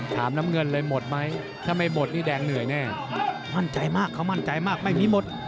ถามเลยหมดไหมถ้าไม่หมดวิแบนค์เหนื่อยแน่มั่นใจมากเขามั่นใจมากเป็นทีหมด